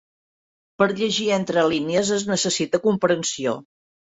Per llegir entre línies es necessita comprensió.